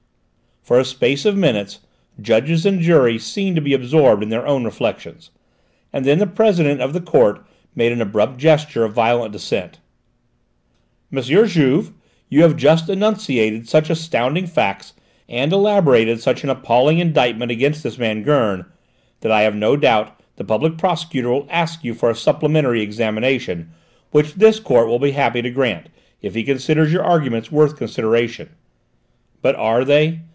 For a space of minutes judges and jury seemed to be absorbed in their own reflections; and then the President of the Court made an abrupt gesture of violent dissent. "M. Juve, you have just enunciated such astounding facts, and elaborated such an appalling indictment against this man Gurn, that I have no doubt the Public Prosecutor will ask for a supplementary examination, which this Court will be happy to grant, if he considers your arguments worth consideration. But are they?